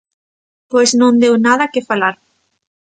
Pois non deu nada que falar...